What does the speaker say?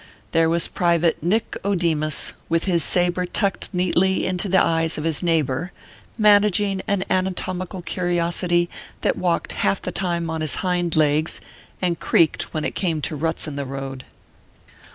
There was private Nick O Demus, with his sabre tucked neatly into the eyes of his neighbor, managing an anatomical curiosity that walked half of the tune on his hind legs, and creaked when it came to ruts in the road.